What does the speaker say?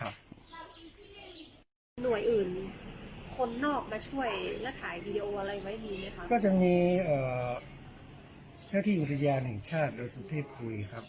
อ่าเจ้าหน้าที่เสียวไฟครับ